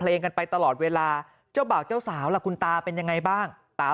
เพลงกันไปตลอดเวลาเจ้าบ่าวเจ้าสาวล่ะคุณตาเป็นยังไงบ้างตา